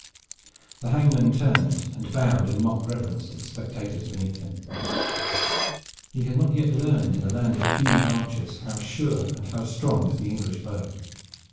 The hangman turned and bowed in mock reverence to the spectators beneath him. He had not yet learned in a land of puny archers how sure and how strong is the English bow.